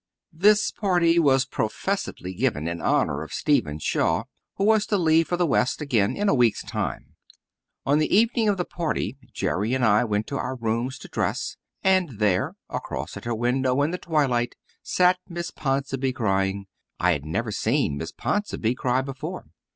This party was professedly given in honour of Stephen Shaw, who was to leave for the west again in a week's time. On the evening of the party Jerry and I went to our room to dress. And there, across at her window in the twilight, sat Miss Ponsonby, crying. I had never seen Miss Ponsonby cry before.